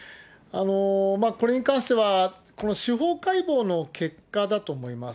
これに関しては、司法解剖の結果だと思います。